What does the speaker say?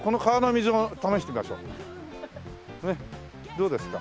どうですか？